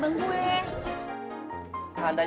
troy nggak bakalan marah